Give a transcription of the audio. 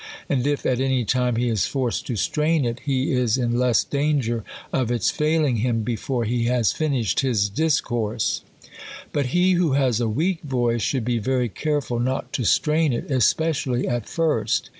Ajid if at any time he is forced to strain it, he is in less danger of its failing him before he has finished his discourse. But he, who has a weak voice, should be very care ful not to strain it, especially at first.